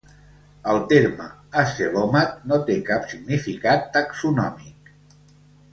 El terme acelomat no té cap significat taxonòmic.